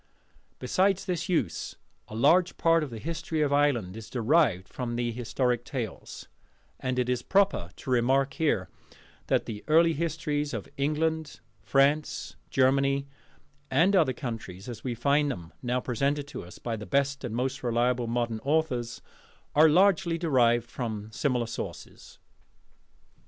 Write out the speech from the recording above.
Besides this use a large part of the History of Ireland is derived from the historic tales; and it is proper to remark here that the early histories of England, France, Germany, and other countries, as we find them now presented to us by the best and most reliable modern authors, are largely derived from similar sources.